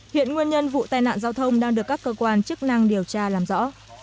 hiện nguyên nhân vụ tai nạn giao thông đang được các cơ quan chức năng điều tra làm rõ